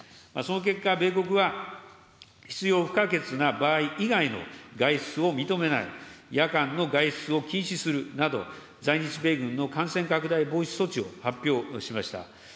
その結果、米国は必要不可欠な場合以外の外出を認めない、夜間の外出を禁止するなど、在日米軍の感染拡大防止措置を発表しました。